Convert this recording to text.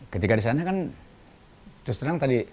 ketika disana kan terus terang tadi